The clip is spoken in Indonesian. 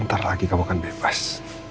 ntar lagi kamu akan bebas